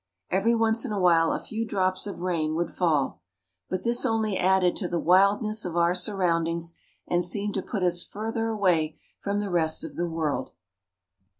Every once in a while a few drops of rain would fall. But this only added to the wildness of our surroundings, and seemed to put us farther away from the rest of the world.